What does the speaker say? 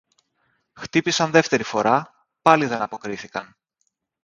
Χτύπησαν δεύτερη φορά, πάλι δεν αποκρίθηκαν.